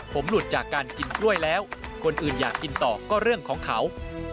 ผมหลุดจากการกินกล้วยแล้วคนอื่นอยากกินต่อก็เรื่องของเขา